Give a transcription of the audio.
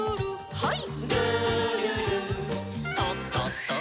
はい。